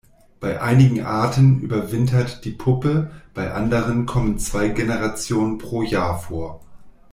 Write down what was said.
Bei einigen Arten überwintert die Puppe, bei anderen kommen zwei Generationen pro Jahr vor.